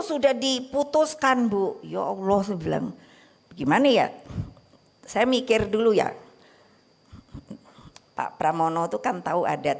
sudah diputuskan bu ya allah gimana ya saya mikir dulu ya pak pramono itu kan tahu adat